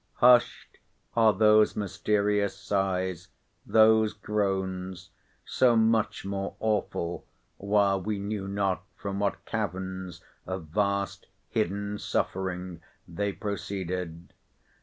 Hushed are those mysterious sighs—those groans—so much more awful, while we knew not from what caverns of vast hidden suffering they proceeded.